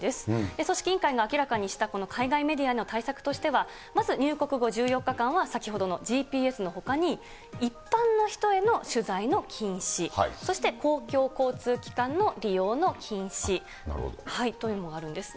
組織委員会が明らかにしたこの海外メディアの対策としては、まず入国後１４日間は、先ほどのＧＰＳのほかに、一般の人への取材の禁止、そして公共交通機関の利用の禁止というのがあるんですね。